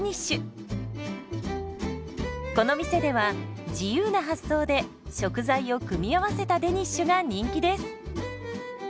この店では自由な発想で食材を組み合わせたデニッシュが人気です。